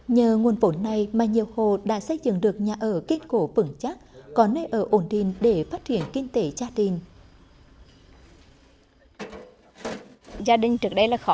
nhờ nguồn vốn này mà nhiều hộ đã xây dựng được nhà ở kết cổ vững chắc có nơi ở ổn định để phát triển kinh tế gia đình